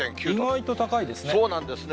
意外と高いですね。